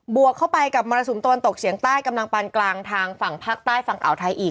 วกเข้าไปกับมรสุมตะวันตกเฉียงใต้กำลังปานกลางทางฝั่งภาคใต้ฝั่งอ่าวไทยอีก